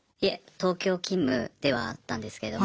東京勤務ではあったんですけれども